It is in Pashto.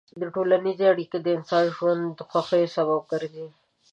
ټولنیز اړیکې د انسان د ژوند د خوښۍ سبب ګرځي.